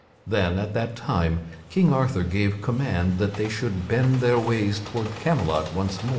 Then, at that time, King Arthur gave command that they should bend their ways toward Camelot once more.